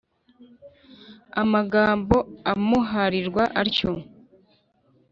amagambo amuharirwa atyo.